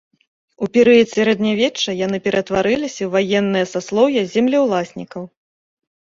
У перыяд сярэднявечча яны ператварыліся ў ваеннае саслоўе землеўласнікаў.